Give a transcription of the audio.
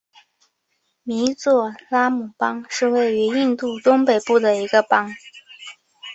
米佐拉姆邦是位于印度东北部的一个邦。